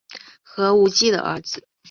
何无忌的儿子。